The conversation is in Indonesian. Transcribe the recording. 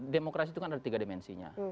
demokrasi itu kan ada tiga dimensinya